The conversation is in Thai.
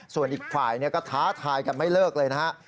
ส่วนอีกฝ่ายก็ท้าทายกันไม่เลิกเลยนะฮะ